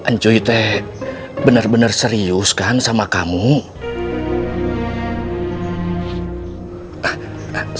ncu aku benar benar serius dengan kamu kan